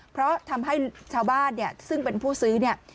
เพราะทำให้ชาวบ้านเนี่ยซึ่งเป็นผู้ซื้อเนี่ย